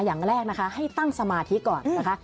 อย่างแรกนะคะให้ตั้งสมาธิก่อนนะคะ